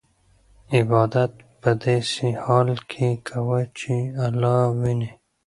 عبادت په داسې حال کې کوه چې الله وینې.